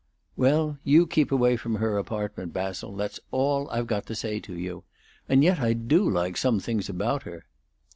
"Well, you keep away from her apartment, Basil; that's all I've got to say to you. And yet I do like some things about her."